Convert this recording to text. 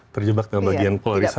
terjebak dengan bagian polarisasi